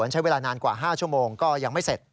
ใช้เวลานานกว่า๕ชั่วโมงก็ยังไม่เสร็จ